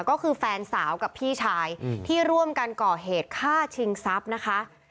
ก็คือแฟนสาวกับพี่ชายที่ร่วมกันก่อเหตุฆ่าชิงทรัพย์นะคะ